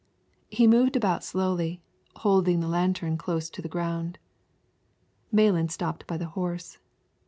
He moved about slowly, holding the lantern close to the ground. Malan stopped by the horse.